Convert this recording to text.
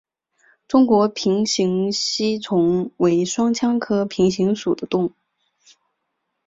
中国平形吸虫为双腔科平形属的动物。